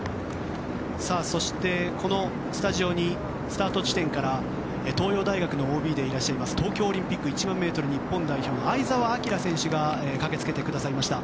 そして、このスタジオにスタート地点から東洋大学のＯＢで東京オリンピック１００００ｍ日本代表相澤晃選手が駆けつけてくださいました。